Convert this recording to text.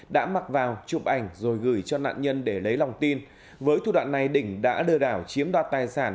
đã mặc vào chụp ảnh rồi gửi cho nạn nhân để lấy lòng tin với thủ đoạn này đỉnh đã lừa đảo chiếm đoạt tài sản